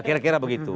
ya kira kira begitu